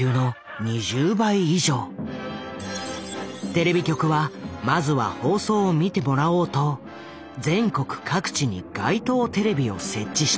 テレビ局はまずは放送を見てもらおうと全国各地に街頭テレビを設置した。